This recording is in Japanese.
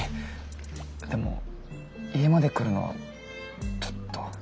でも家まで来るのはちょっと。